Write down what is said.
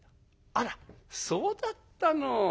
「あらそうだったの。